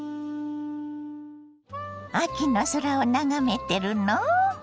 秋の空を眺めてるの？